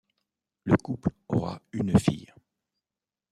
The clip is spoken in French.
Le couple aura une fille.